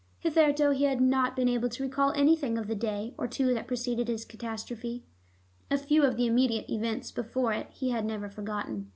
Hitherto, he had not been able to recall anything of the day or two that preceded his catastrophe. A few of the immediate events before it he had never forgotten.